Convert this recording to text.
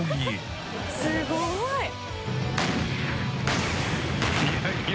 えすごい！